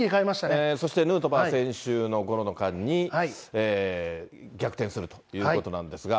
そしてヌートバー選手のゴロの間に、逆転するということなんですが。